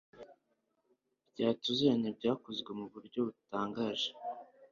Bya tuziranye byakozwe mu buryo butangaje